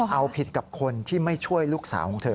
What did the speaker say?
เอาผิดกับคนที่ไม่ช่วยลูกสาวของเธอ